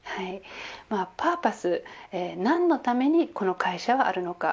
パーパス、何のためにこの会社はあるのか。